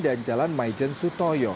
dan jalan majen sutoyo